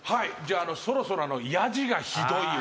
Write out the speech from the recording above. そろそろヤジがひどい！を。